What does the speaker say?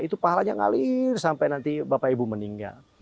itu pahalanya ngalir sampai nanti bapak ibu meninggal